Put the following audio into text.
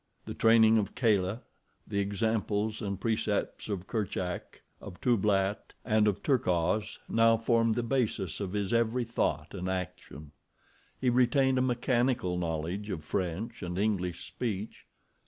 The training of Kala, the examples and precepts of Kerchak, of Tublat, and of Terkoz now formed the basis of his every thought and action. He retained a mechanical knowledge of French and English speech.